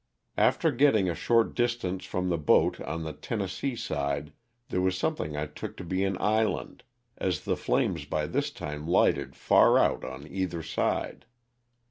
After get ting a short distance from the boat on the Tennessee side there was something I took to be an island, as the flames by this time lighted far out on either side.